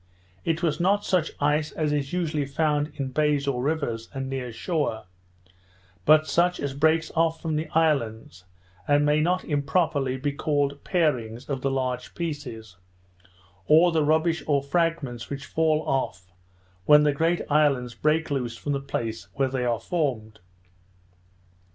It was not such ice as is usually found in bays or rivers and near shore; but such as breaks off from the islands, and may not improperly be called parings of the large pieces, or the rubbish or fragments which fall off when the great islands break loose from the place where they are formed.